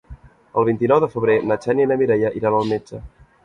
El vint-i-nou de febrer na Xènia i na Mireia iran al metge.